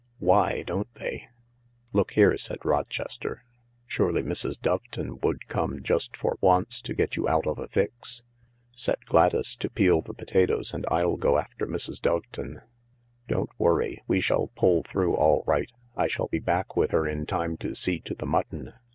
Why don't they ?" "Look here," said Rochester, "surely Mrs. Doveton would come, just for once, to get you out of a fix ? Set Gladys to peel the potatoes and I'll go after Mrs. Doveton, THE LARK 197 Don't worry ; we shall pull through all right. I shall be back with her in time to see to the mutton."